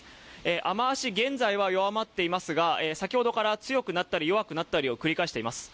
雨足、現在は弱まっていますが先ほどから強くなったり弱くなったりを繰り返しています。